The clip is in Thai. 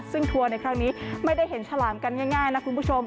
ซึ่งทัวร์ในครั้งนี้ไม่ได้เห็นฉลามกันง่ายนะคุณผู้ชม